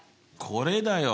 これだよ。